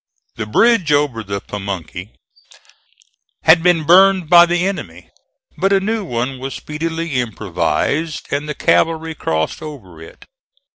The bridge over the Pamunkey had been burned by the enemy, but a new one was speedily improvised and the cavalry crossed over it.